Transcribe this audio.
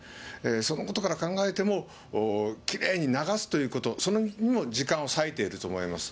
そのことから考えても、きれいに流すということ、それにも時間を割いていると思います。